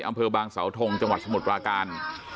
อำเภอบางสาวทงจังหวัดสมุทรปราการ